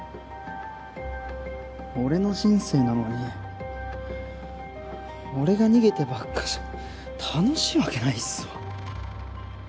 俺の人生なのに俺が逃げてばっかじゃ楽しいわけないっすわ。